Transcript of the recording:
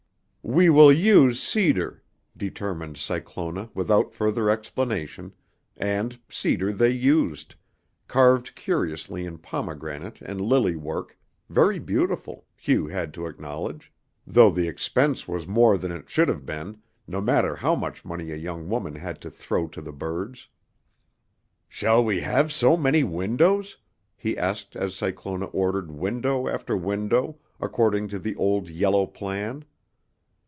"We will use cedar," determined Cyclona without further explanation, and cedar they used, carved curiously in pomegranate and lily work, very beautiful, Hugh had to acknowledge, though the expense was more than it should have been, no matter how much money a young woman had to throw to the birds. "Shall we have so many windows?" he asked as Cyclona ordered window after window, according to the old yellow plan.